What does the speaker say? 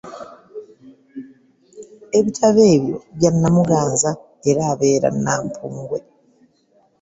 Ebitabo ebyo bya Nnamuganza era abeera Nnampunge.